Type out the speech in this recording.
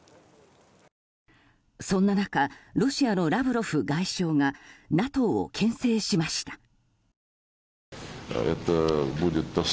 そんな中ロシアのラブロフ外相がＮＡＴＯを牽制しました。